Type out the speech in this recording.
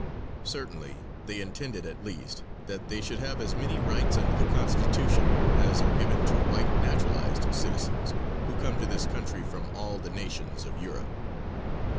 Certainly, they intended at least, that they should have as many rights under the Constitution as are given to white naturalized citizens who come to this country from all the nations of Europe.